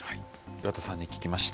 岩田さんに聞きました。